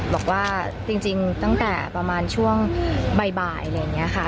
บอกว่าจริงตั้งแต่ประมาณช่วงบ่ายอะไรอย่างนี้ค่ะ